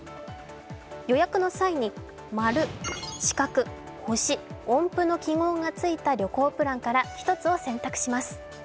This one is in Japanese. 予約の際に、「丸・四角・星・音符」の記号がついた旅行プランから１つを選択します。